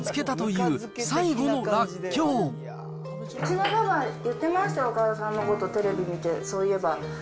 うちのパパ、言ってましたよ、岡田さんのこと、テレビ見て、そういえば。